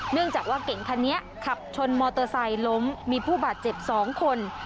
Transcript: เนื่องจากว่าเก่งคันนี้ขับชนมอเตอร์ไซค์ล้มมีผู้บาดเจ็บ๒คน